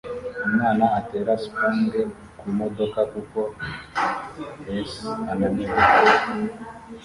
umwana atera sponge kumodoka kuko hes ananiwe